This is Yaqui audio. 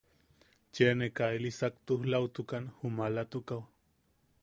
Cheeneaka ili saktujlatukan ju maalatukaʼu.